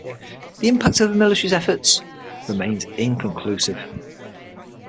The impact on the military's efforts remains inconclusive.